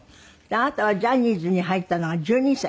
であなたはジャニーズに入ったのが１２歳？